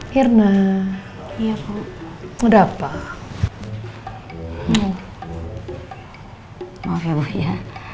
hai irna iya kok udah apa apa hai mau maaf ya bu ya